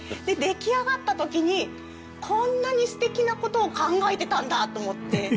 で出来上がった時にこんなに素敵な事を考えてたんだと思って。